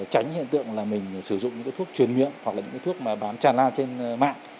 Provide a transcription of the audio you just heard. tránh hiện tượng là mình sử dụng những thuốc truyền miệng hoặc là những thuốc bám tràn lan trên mạng